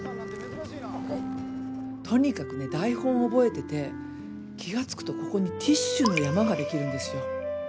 とにかくね台本覚えてて気が付くとここにティッシュの山ができるんですよ。